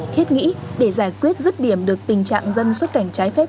thiết nghĩ để giải quyết rứt điểm được tình trạng dân xuất cảnh trái phép